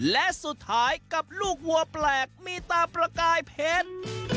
และสุดท้ายกับลูกวัวแปลกมีตาประกายเพชร